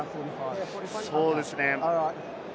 そうですね。